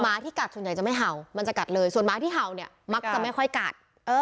หมาที่กัดนี่สมัยจะไม่เห่ามันจะกัดเลยส่วนหมาที่เยาะนี่จะไม่ค่อยกัด